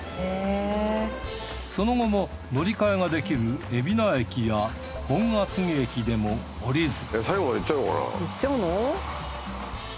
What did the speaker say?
その後も乗り換えができる海老名駅や本厚木駅でも降りず最後まで行っちゃうのかな？